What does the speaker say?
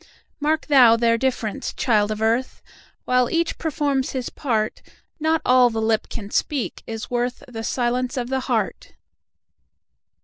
Mark thou their difference, child of earth! While each performs his part, Not all the lip can speak is worthThe silence of the heart.